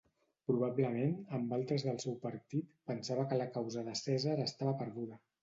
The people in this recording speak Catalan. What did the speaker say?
Probablement, amb altres del seu partit, pensava que la causa de Cèsar estava perduda.